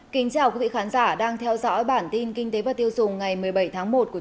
kính chào quý vị khán giả đang theo dõi bản tin kinh tế và tiêu dùng ngày một mươi bảy tháng một của